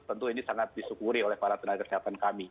tentu ini sangat disyukuri oleh para tenaga kesehatan kami